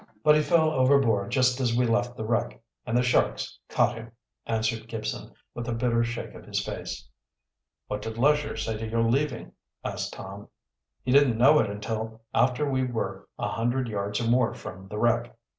But he fell overboard just after we left the wreck, and the sharks caught him," answered Gibson, with a bitter shake of his face. "What did Lesher say to your leaving?" asked Tom. "He didn't know it until after we were a hundred yards or more from the wreck.